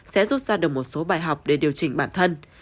sẽ rút ra được một số bài học để điều chỉnh bản thân